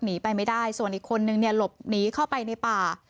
หนีไปไม่ได้ส่วนอีกคนนึงเนี่ยหลบหนีเข้าไปในป่า